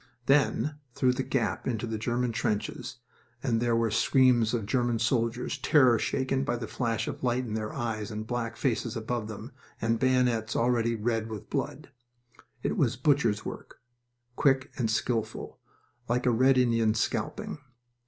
Then through the gap into the German trenches, and there were screams of German soldiers, terror shaken by the flash of light in their eyes, and black faces above them, and bayonets already red with blood. It was butcher's work, quick and skilful, like red Indian scalping.